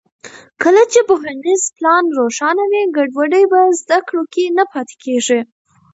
کله چې پوهنیز پلان روښانه وي، ګډوډي په زده کړو کې نه پاتې کېږي.